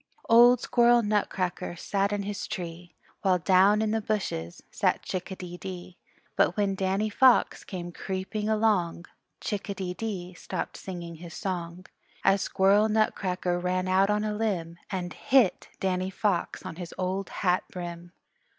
Old Squirrel Nutcracker sat in his tree, While down in the bushes sat Chick a dee dee; But when Danny Fox came creeping along Chick a dee dee stopped singing his song, As Squirrel Nutcracker ran out on a limb And hit Danny Fox on his old hat brim.